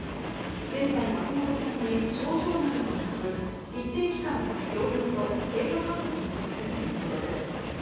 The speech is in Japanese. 現在、松本さんに症状などはなく一定期間、療養と経過観察をするということです。